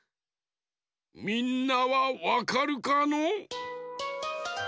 みんなはわかるかの？